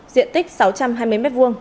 diện tích sáu trăm hai mươi m hai